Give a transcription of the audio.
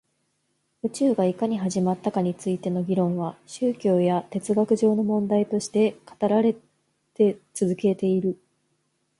宇宙がいかに始まったかについての議論は宗教や哲学上の問題として語られて続けている